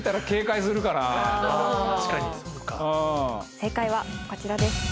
正解はこちらです。